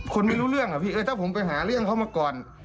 ไม่รู้เรื่องอะพี่เอ้ยถ้าผมไปหาเรื่องเขามาก่อน